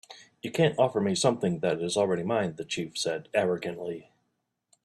"You can't offer me something that is already mine," the chief said, arrogantly.